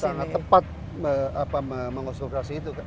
sangat tepat mengonstruksi itu